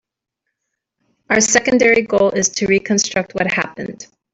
Our secondary goal is to reconstruct what happened.